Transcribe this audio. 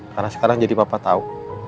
karena sekarang jadi papa tau